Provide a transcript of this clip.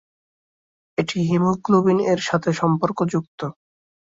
এটি হিমোগ্লোবিন এর সাথে সম্পর্কযুক্ত।